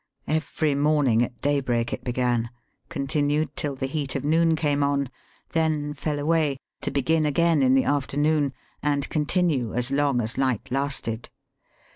Every morning at daybreak it began, con tinued till the heat of noon came on, then fell away, to begin again in the afternoon and continue as long as light lasted.